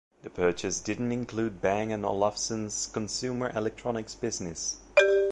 The purchase didn't include Bang and Olufsen's consumer-electronics business.